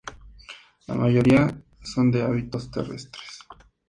La mayoría son de hábitos terrestres.